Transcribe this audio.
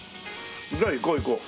じゃあ行こう行こう。